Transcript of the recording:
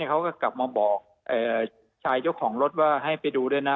เขาก็กลับมาบอกชายเจ้าของรถว่าให้ไปดูด้วยนะ